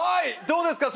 どうですか？